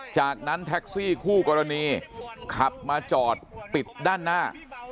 จากนั้นแท็กซี่คู่กรณีขับมาจอดปิดด้านหน้า